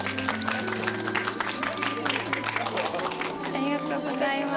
ありがとうございます。